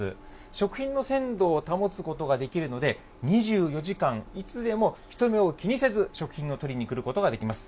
食品の鮮度を保つことができるので、２４時間いつでも人目を気にせず、食品を取りに来ることができます。